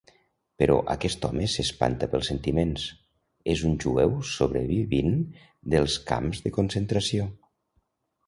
Però aquest home s'espanta pels sentiments: és un jueu sobrevivint dels camps de concentració.